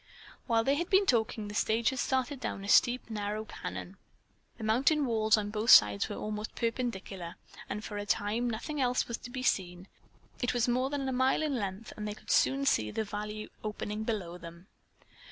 While they had been talking, the stage had started down a steep, narrow canon. The mountain walls on both sides were almost perpendicular, and for a time nothing else was to be seen. It was more than a mile in length, and they could soon see the valley opening below them.